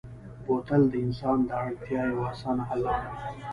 بوتل د انسان د اړتیا یوه اسانه حل لاره ده.